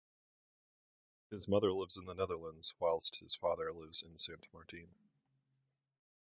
His mother lives in the Netherlands whilst his father lives in Sint Maarten.